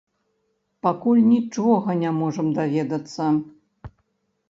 Пакуль нічога не можам даведацца.